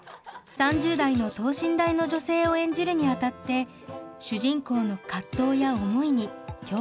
３０代の等身大の女性を演じるにあたって主人公の葛藤や思いに共感したといいます。